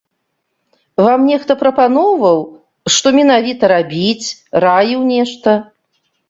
Вам нехта прапаноўваў, што менавіта рабіць, раіў нешта?